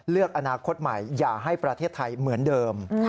เลือกอนาคตใหม่อย่าให้ประเทศไทยเหมือนเดิม